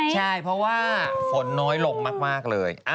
ใช่ฝนน้อยลงมากเลย